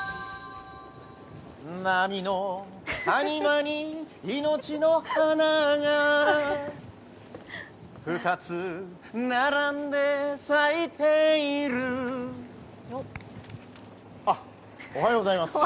波の谷間に命の花がふたつ並んで咲いているあっ、おはようございます。